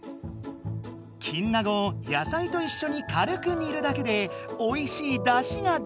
キンナゴを野菜と一緒に軽く煮るだけでおいしいだしが出る！